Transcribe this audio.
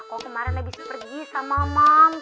aku kemarin habis pergi sama mam